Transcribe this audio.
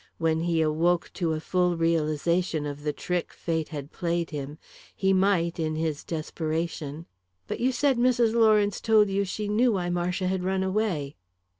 When he awoke to a full realisation of the trick fate had played him, he might, in his desperation "But you said Mrs. Lawrence told you she knew why Marcia had run away."